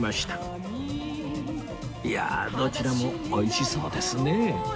いやどちらも美味しそうですね